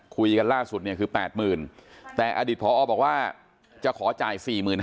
คุยกันล่าสุดเนี่ยคือ๘๐๐๐แต่อดีตพอบอกว่าจะขอจ่าย๔๕๐๐